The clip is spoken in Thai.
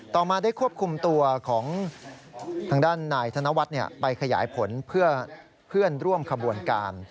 ต่อมาได้ควบคุมตัวของทางด้านนายธนวัฒน์ไปขยายผลเพื่อเพื่อนร่วมขบวนการ